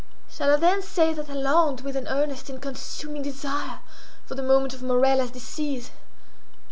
Shall I then say that I longed with an earnest and consuming desire for the moment of Morella's decease?